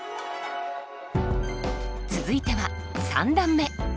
続いては三段目。